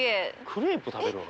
クレープ食べるの？